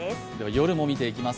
夜も見ていきます。